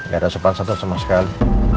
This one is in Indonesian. gak ada sempat satu sama sekali